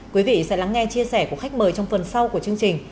quý vị sẽ lắng nghe chia sẻ của khách mời trong phần sau của chương trình